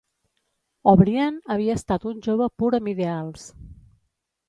O'Brien havia estat un jove pur amb ideals.